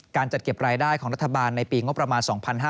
จัดเก็บรายได้ของรัฐบาลในปีงบประมาณ๒๕๕๙